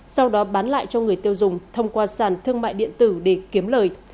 sau đó bán lại cho người tiêu dùng thông qua sàn thương mại điện tử để kiếm lời